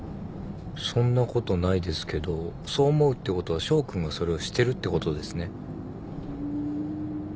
そんなことないですけどそう思うってことは翔君がそれをしてるってことですね。